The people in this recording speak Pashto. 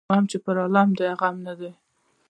ـ غم چې په عالم دى هغه غم نه دى.